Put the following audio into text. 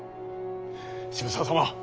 渋沢様